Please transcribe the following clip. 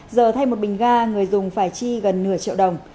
giờ thay một bình ga người dùng phải chi gần nửa triệu đồng